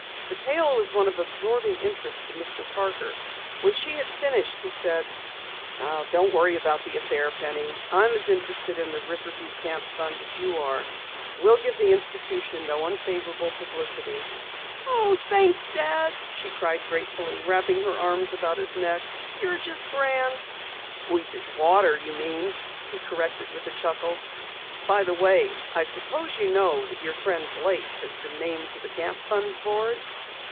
The tale was one of absorbing interest to Mr. Parker. When she had finished, he said: "Don't worry about the affair, Penny. I am as interested in the Riverview Camp fund as you are. We'll give the institution no unfavorable publicity." "Oh, thanks, Dad!" she cried gratefully, wrapping her arms about his neck. "You're just grand!" "Weak as water, you mean," he corrected with a chuckle. "By the way, I suppose you know that your friend Blake has been named to the Camp Fund board."